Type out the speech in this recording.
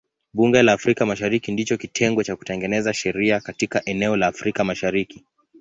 Bunge la Afrika Mashariki ndicho kitengo cha kutengeneza sheria katika eneo la Afrika Mashariki.